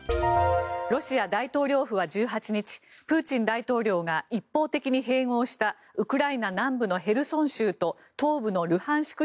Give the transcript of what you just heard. ロシア大統領府は１８日プーチン大統領が一方的に併合したウクライナ南部のヘルソン州と東部のルハンシク